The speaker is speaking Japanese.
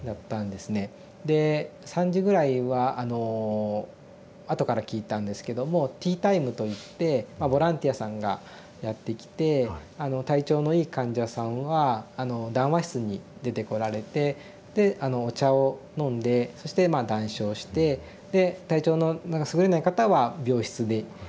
で３時ぐらいはあのあとから聞いたんですけどもティータイムといってボランティアさんがやって来て体調のいい患者さんは談話室に出てこられてでお茶を飲んでそしてまあ談笑してで体調のすぐれない方は病室にあのお茶を運ばれたりとかですね。